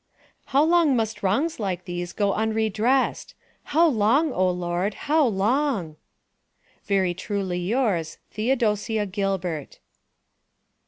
How long must wrongs like these go unredressed? "How long, O God, how long?" Very truly yours, THEODOCIA GILBERT.